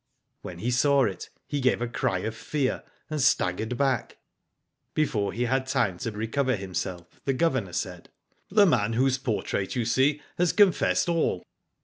When he saw it he gave a cry of fear, and staggered back. Before he had time to recover himself, the Governor said :" The man whose portrait you see has confessed all."